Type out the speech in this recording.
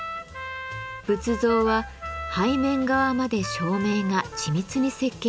仏像は背面側まで照明が緻密に設計されています。